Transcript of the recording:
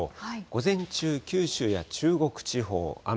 午前中、九州や中国地方、雨。